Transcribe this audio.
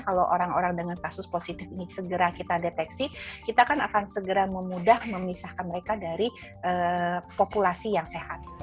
kalau orang orang dengan kasus positif ini segera kita deteksi kita akan segera memudah memisahkan mereka dari populasi yang sehat